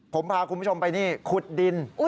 ผมพาคุณผู้ชมไปนี่ขุดดิน